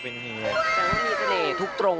มีงานนี้ทำเอานุนิวอดปลื้มใจไม่ได้จริง